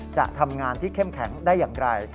จะทำงานที่เข้มแข็งได้อย่างไร